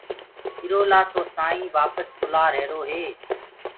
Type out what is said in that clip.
ايٚرو لآ تو سآئينٚ وآپس بلآ هيروئي